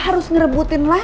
tapi yang men emplelak